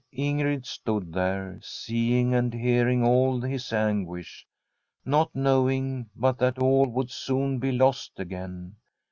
Inerid stood there, seeing and hearing all his anguish, not knowing but that all would soon be lost again.